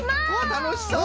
たのしそう！